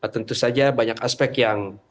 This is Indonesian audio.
tentu saja banyak aspek yang